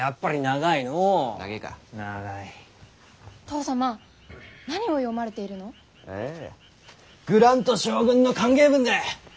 あぁグラント将軍の歓迎文だ。